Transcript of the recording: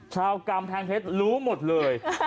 ชาวกรรมทางเพศรู้หมดเลย